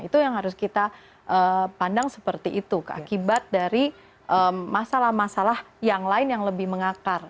itu yang harus kita pandang seperti itu akibat dari masalah masalah yang lain yang lebih mengakar